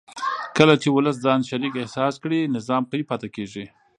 کله چې ولس ځان شریک احساس کړي نظام قوي پاتې کېږي